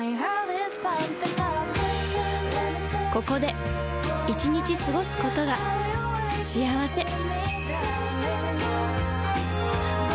ここで１日過ごすことが幸せ